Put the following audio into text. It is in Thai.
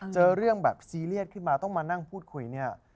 เจอเรื่องแบบซีเรียสขึ้นมาต้องมานั่งพูดคุยเนี่ย